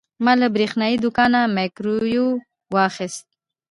ما له برېښنايي دوکانه مایکروویو واخیست.